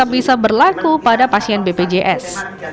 berlaku pada pasien bpjs